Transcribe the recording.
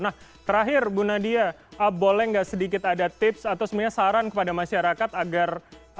nah terakhir bu nadia boleh nggak sedikit ada tips atau sebenarnya saran kepada masyarakat agar